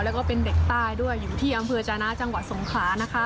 แล้วก็เป็นเด็กใต้ด้วยอยู่ที่อำเภอจานะจังหวัดสงขลานะคะ